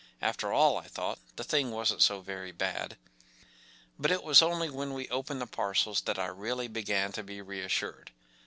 After all, I thought, the thing wasn’t so very bad. But it was only when we opened the parcels that I really began to be reassured.